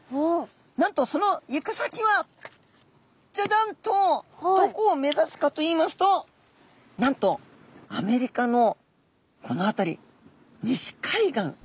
なんとその行く先はジャジャンとどこを目指すかといいますとなんとアメリカのこの辺り西海岸。